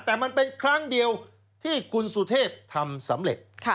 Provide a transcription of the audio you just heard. แต่มันเป็นครั้งเดียวที่คุณสุเทพทำสำเร็จ